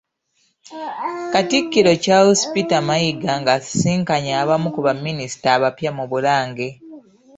Katikkiro Charles Peter Mayiga ng'asisinkanye abamu ku baminisita abapya mu Bulange.